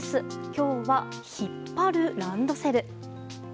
今日は引っ張るランドセル。